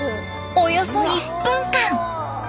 およそ１分間！